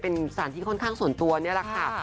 เป็นสารที่ค่อนข้างส่วนตัวนี่แหละค่ะ